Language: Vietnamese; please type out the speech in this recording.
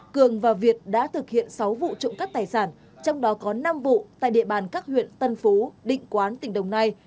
cường và việt đã thực hiện sáu vụ trộm cắp tài sản trong đó có năm vụ tại địa bàn các huyện tân phú định quán tỉnh đồng nai